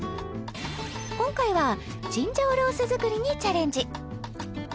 今回はチンジャオロース作りにチャレンジ